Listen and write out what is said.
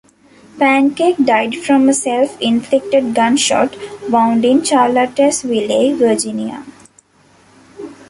Pancake died from a self-inflicted gunshot wound in Charlottesville, Virginia.